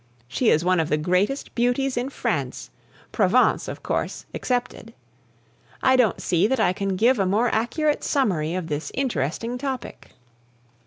She is one of the greatest beauties in France Provence, of course, excepted. I don't see that I can give a more accurate summary of this interesting topic.